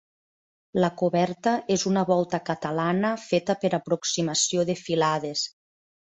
La coberta és una volta catalana feta per aproximació de filades.